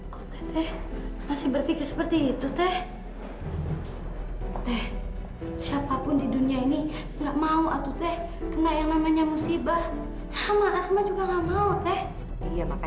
kondisi tuan kevin maksudnya apa